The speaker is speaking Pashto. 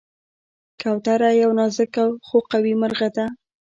کوتره یو نازک خو قوي مرغه ده.